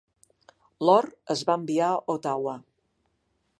L'or es va enviar a Ottawa.